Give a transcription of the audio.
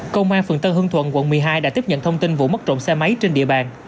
công an phường tân hương thuận quận một mươi hai đã tiếp nhận thông tin vụ mất trộm xe máy trên địa bàn